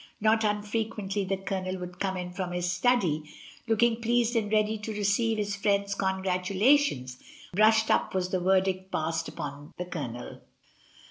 Not unfrequently the Co lonel would come in from his study, looking pleased and ready to receive his friends' congratulations, "brushed up" was the verdict passed upon the Co lonel.